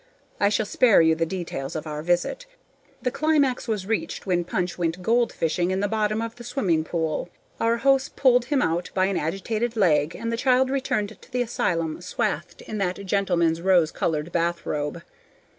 I shall spare you the details of our visit; the climax was reached when Punch went goldfishing in the bottom of the swimming pool. Our host pulled him out by an agitated leg, and the child returned to the asylum swathed in that gentleman's rose colored bathrobe.